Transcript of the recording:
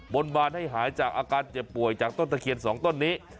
บนบานให้หายจากอาการเจ็บป่วยจากต้นตะเคียน๒ต้นนี้